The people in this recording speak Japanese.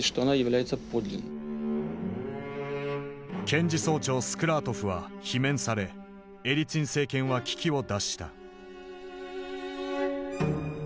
検事総長スクラートフは罷免されエリツィン政権は危機を脱した。